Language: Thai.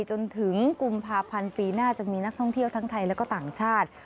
จนถึงกุมภาพันธ์ปีหน้าจะมีนักท่องเที่ยวทั้งไทยและก็ต่างชาติ